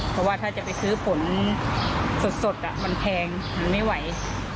เพราะว่าถ้าจะไปซื้อผลสดมันแพงมันไม่ไหว